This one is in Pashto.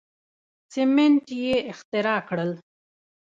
سیمنټ یې اختراع کړل.